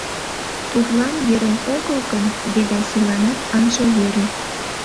Тудлан йӧрен огыл гын, Ведасиланат ынже йӧрӧ.